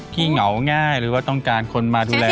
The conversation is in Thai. เหงาง่ายหรือว่าต้องการคนมาดูแล